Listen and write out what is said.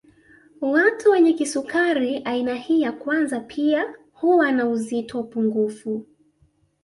Watu wenye kisukari aina hii ya kwanza pia huwa na uzito pungufu